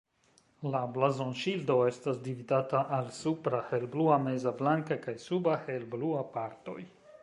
La blazonŝildo estas dividata al supra helblua, meza blanka kaj suba helblua partoj.